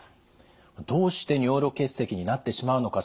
どうして尿路結石になってしまうのか